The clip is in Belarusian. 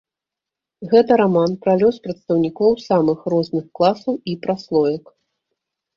Гэта раман пра лёс прадстаўнікоў самых розных класаў і праслоек.